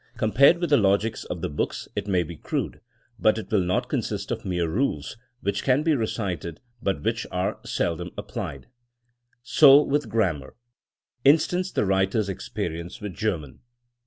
Compared with the logic of the books it may be crude, but it will not consist of mere rules, which can be recited but which are seldom applied. 244 THINKINa AS A SCIENCE So with grammar. Instance the writer's ex perience with German.